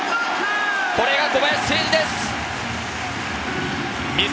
これが小林誠司です！